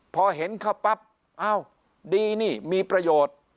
พอเห็นเข้าปั๊บอ้าวดีนี่มีประโยชน์